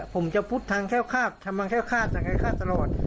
ผมจะพุทธทางแค่วทางแค่วแค่วตลอด